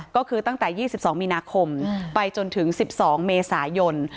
ก็คือตั้งแต่๒๒มีนาคมไปจนถึง๑๒เมษายน